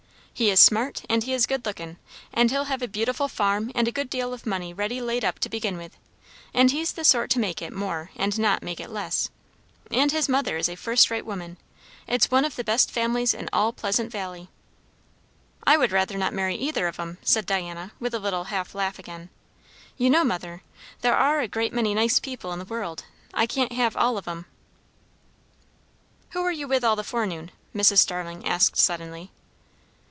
"He is smart; and he is good lookin'; and he'll have a beautiful farm and a good deal of money ready laid up to begin with; and he's the sort to make it more and not make it less. And his mother is a first rate woman. It's one of the best families in all Pleasant Valley." "I would rather not marry either of 'em," said Diana, with a little half laugh again. "You know, mother, there are a great many nice people in the world. I can't have all of 'em." "Who were you with all the forenoon?" Mrs. Starling asked suddenly.